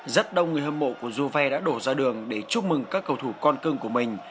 rất đông người hâm mộ của du ve đã đổ ra đường để chúc mừng các cầu thủ con cưng của mình